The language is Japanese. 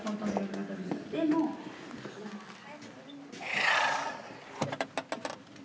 いや。